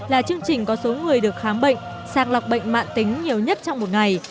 là chương trình có số người được khám bệnh sàng lọc bệnh mạng tính nhiều nhất trong một ngày